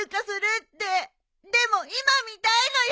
でも今見たいのよ！